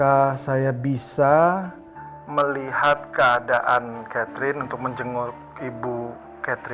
aku rindu kamu adik adik arranggan selamat ultra yang kecil istri